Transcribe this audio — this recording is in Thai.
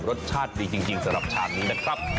รสชาติดีจริงสำหรับชามนี้นะครับ